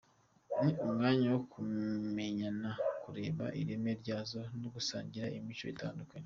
Ni umwanya wo kumenyana, kureba ireme ryazo no gusangira imico itandukanye”.